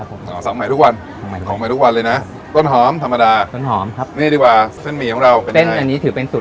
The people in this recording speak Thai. บอกได้ไหมว่าระดับ๒๐๐นี่ใส่กี่เม็ด